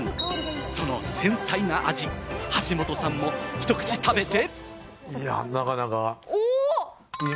その繊細な味、橋本さんも一口食べて。